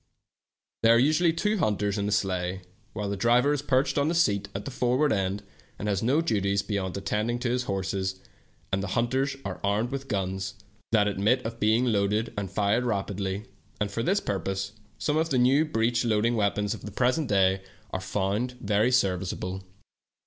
There are usually two hunters in the sleigh, while the driver is perched on the seat at the for ward end, and has no duties beyond attending to his horses, and the hunters are armed with guns 158 THE TALKING HANDKERCHIEF. that admit of being loaded and fired rapidly, and for this purpose some of the new breaeh loading weapons of the present day are found very service able.